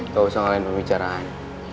kau bisa ngeliat pembicaraan